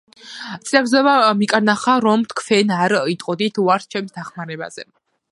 წინათგრძნობამ მიკარნახა , რომ თქვენ არ იტყოდით უარს ჩემს დახმარებაზე.